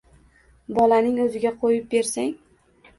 Bolaning o‘ziga qo‘yib bersang.